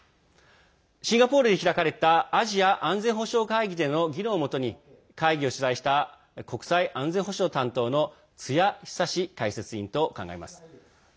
シンガポールで開かれたアジア安全保障会議での議論をもとに会議を取材した国際・安全保障担当の津屋尚解説委員と考えます。